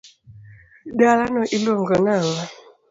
dalano iluongo nang'o?